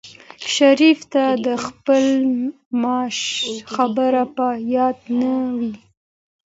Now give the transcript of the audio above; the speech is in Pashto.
شریف ته د خپل معاش خبره په یاد نه وه.